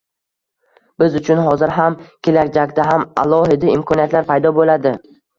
Biz uchun – hozir ham, kelajakda ham – alohida imkoniyatlar paydo bo‘ladi